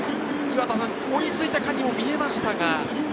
追いついたかに見えましたが。